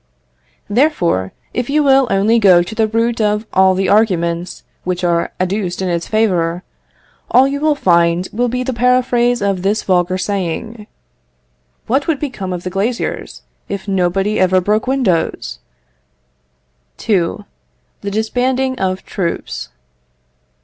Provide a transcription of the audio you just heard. Therefore, if you will only go to the root of all the arguments which are adduced in its favour, all you will find will be the paraphrase of this vulgar saying What would become of the glaziers, if nobody ever broke windows? II. The Disbanding of Troops.